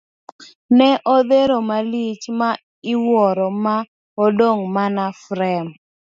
Ne odhero malich ma iwuoro ma odong' mana frem.